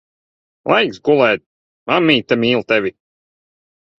Laiks gulēt. Mammīte mīl tevi.